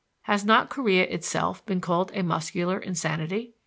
Has not chorea itself been called a muscular insanity?